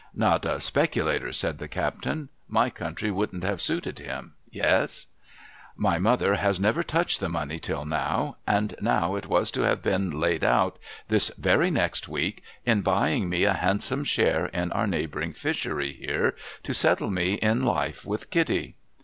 ' Not a si)er'lator,' said the captain. ' My country wouldn't have suited him. Yes ?'' My mother has never touched the money till now. And now it was to have heen laid out, this very next week, in huying me a handsome share in our neighbouring fisliery here, to settle me in life with Kitty.'